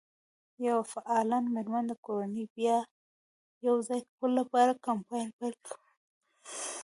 یوه فعالې مېرمن د کورنۍ د بیا یو ځای کولو لپاره کمپاین پیل کړ.